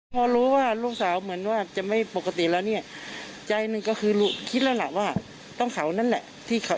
พอรู้ว่าลูกสาวเหมือนว่าจะไม่ปกติแล้วเนี่ยใจหนึ่งก็คือคิดแล้วล่ะว่าต้องเขานั่นแหละที่เขา